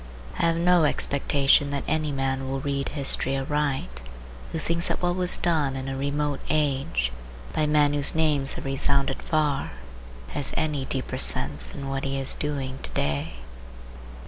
I have no expectation that any man will read history aright who thinks that what was done in a remote age, by men whose names have resounded far, has any deeper sense than what he is doing to day.